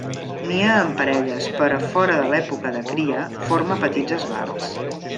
Nia en parelles, però fora de l'època de cria forma petits esbarts.